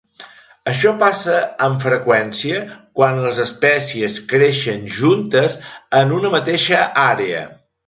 Això passa amb freqüència quan les espècies creixen juntes en una mateixa àrea.